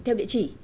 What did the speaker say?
theo địa chỉ